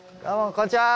こんにちは。